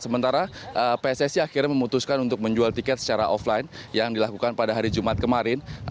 sementara pssi akhirnya memutuskan untuk menjual tiket secara offline yang dilakukan pada hari jumat kemarin